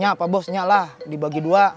nya pak bos nyalah dibagi dua